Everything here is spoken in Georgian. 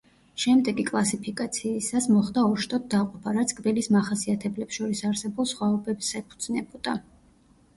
შემდეგი კლასიფიკაციისას, მოხდა ორ შტოდ დაყოფა, რაც კბილის მახასიათებლებს შორის არსებულ სხვაობებს ეფუძნებოდა.